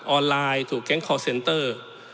ไลน์ถูกแก๊งคอร์เซนเตอร์